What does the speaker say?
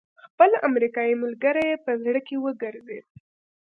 خپل امريکايي ملګری يې په زړه کې وګرځېد.